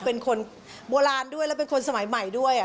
เป็นคนโบราณด้วยและเป็นคนสมัยใหม่ด้วย